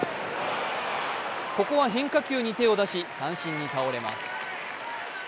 ここは変化球に手を出し三振に倒れます。